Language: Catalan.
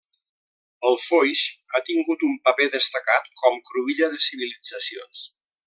El Foix ha tingut un paper destacat com cruïlla de civilitzacions.